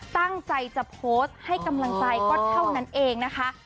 ตั้งใจจะโพสต์ให้กำลังใจก็เท่านั้นเองนะคะ